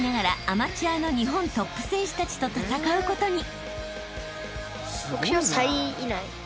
アマチュアの日本トップ選手たちと戦うことに］